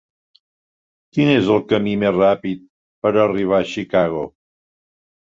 Quin és el camí més ràpid per a arribar a Chicago?